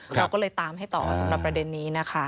เราก็เลยตามให้ต่อสำหรับประเด็นนี้นะคะ